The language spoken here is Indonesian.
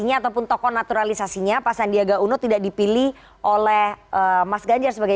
nya ataupun tokoh naturalisasi nya pasandia gauno tidak dipilih oleh masganya sebagai